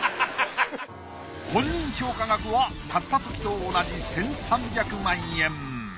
本人評価額は買ったときと同じ１，３００万円。